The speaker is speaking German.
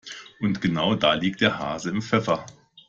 Und genau da liegt der Hase im Pfeffer.